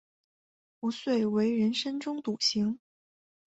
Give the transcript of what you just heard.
壶遂为人深中笃行。